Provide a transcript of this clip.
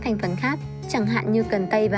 thành phần khác chẳng hạn như cần tây và